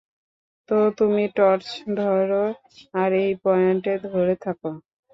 তো, তুমি টর্চ ধরো, আর এই পয়েন্টে ধরে থাকো।